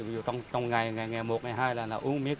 đây là dài nhất